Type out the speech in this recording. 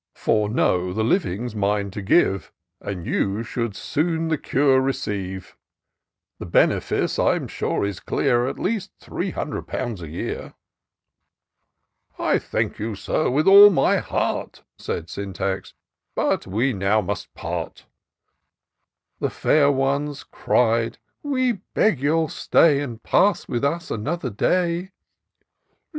For, know, the living's mine to give, And you should soon the cure receive: The benefice, I'm sure, is clear At least three hundred pounds a year." " I thank you. Sir, with all my heart," Said Sjmtax, " but we now must part" The fair ones cried ^" We beg you'll stay, And pass with us another day."